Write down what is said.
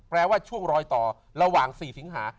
ว่าช่วงรอยต่อระหว่าง๔สิงหา